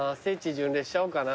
巡礼しちゃおうかな。